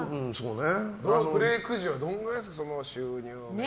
ブレーク時はどのくらいですか収入。